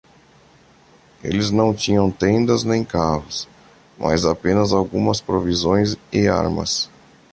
Eles não tinham tendas nem carros, mas apenas algumas provisões e armas.